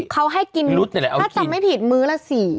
เขาให้กินถ้าตำไม่ผิดมื้อละ๔